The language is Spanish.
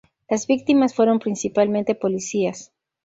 Las víctimas fueron principalmente policías.